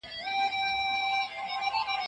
اداري پلاوی څنګه غوره کیږي؟